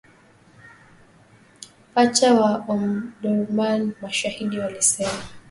pacha wa Omdurman mashahidi walisema